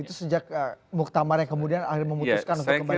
itu sejak muktamar yang kemudian akhirnya memutuskan untuk kembali